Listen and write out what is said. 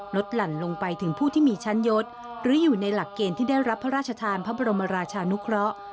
หลั่นลงไปถึงผู้ที่มีชั้นยศหรืออยู่ในหลักเกณฑ์ที่ได้รับพระราชทานพระบรมราชานุเคราะห์